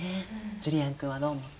ジュリアン君はどう思った？